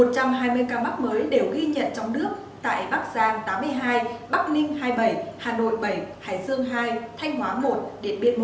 một trăm hai mươi ca mắc mới đều ghi nhận trong nước tại bắc giang tám mươi hai bắc ninh hai mươi bảy hà nội bảy hải dương hai thanh hóa một điện biên một